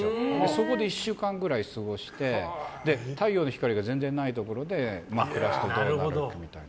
そこで１週間ぐらい過ごして太陽の光が全然ないところで暮らすとどうなるかみたいな。